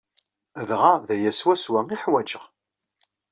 Dɣa d aya swaswa i ḥwajeɣ.